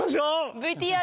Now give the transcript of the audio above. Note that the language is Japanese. ＶＴＲ。